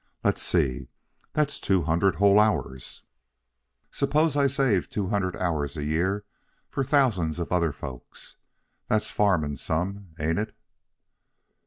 Let's see: that's two hundred whole hours. Suppose I save two hundred hours a year for thousands of other folks, that's farming some, ain't it?"